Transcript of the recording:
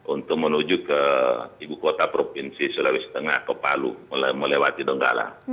untuk menuju ke ibu kota provinsi sulawesi tengah ke palu melewati donggala